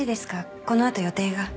このあと予定が。